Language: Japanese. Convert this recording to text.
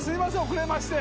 遅れまして。